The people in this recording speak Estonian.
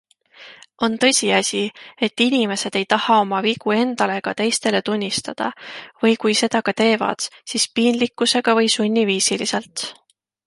On tõsiasi, et inimesed ei taha oma vigu endale ega teistele tunnistada või kui seda ka teevad, siis piinlikkusega või sunniviisiliselt.